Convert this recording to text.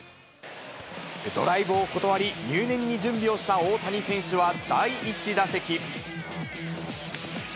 ドライブを断り、入念に準備をした大谷選手は、第１打席。